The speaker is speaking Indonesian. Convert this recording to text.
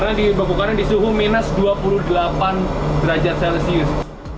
ini dibepukkan di suhu minus dua puluh delapan derajat celcius